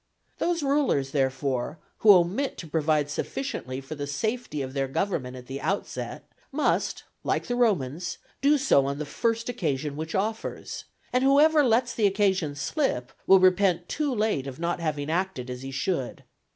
Those rulers, therefore, who omit to provide sufficiently for the safety of their government at the outset, must, like the Romans, do so on the first occasion which offers; and whoever lets the occasion slip, will repent too late of not having acted as he should.